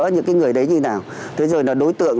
những người đấy như thế nào thế rồi là đối tượng